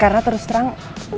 karena terus terang